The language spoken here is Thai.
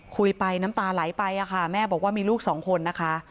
คุยไปน้ำตาไหลไปค่ะแม่บอกว่ามีลูกสองคนนะคะ